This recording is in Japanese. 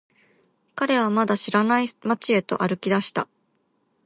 彼はまだ知らない街へと歩き出した。